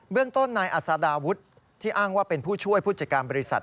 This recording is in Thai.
เรื่องต้นนายอัศดาวุฒิที่อ้างว่าเป็นผู้ช่วยผู้จัดการบริษัท